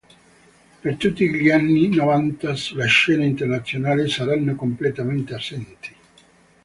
Per tutti gli anni novanta sulla scena internazionale saranno completamente assenti.